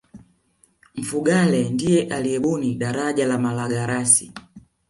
mfugale ndiye aliyebuni daraja la malagarasi